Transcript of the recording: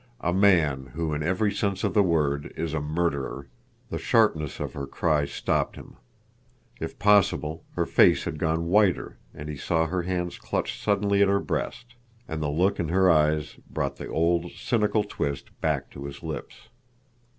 A man who, in every sense of the word, is a murderer—" The sharpness of her cry stopped him. If possible, her face had gone whiter, and he saw her hands clutched suddenly at her breast. And the look in her eyes brought the old, cynical twist back to his lips.